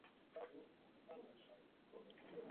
Omusajja gy'agenda, gy'asanga basajja banne